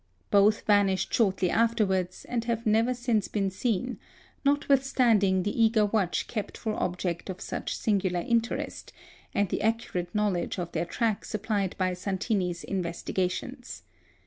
Both vanished shortly afterwards, and have never since been seen, notwithstanding the eager watch kept for objects of such singular interest, and the accurate knowledge of their track supplied by Santini's investigations.